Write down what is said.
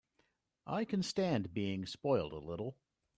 I can stand being spoiled a little.